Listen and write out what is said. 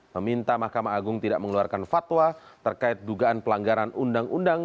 meminta mahkamah agung tidak mengeluarkan fatwa terkait dugaan pelanggaran undang undang